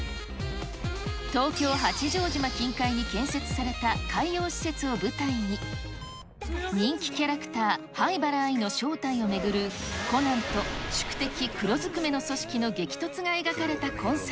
東京・八丈島近海に建設された海洋施設を舞台に、人気キャラクター、灰原哀の正体を巡るコナンと宿敵、黒ずくめの組織の激突が描かれた今作。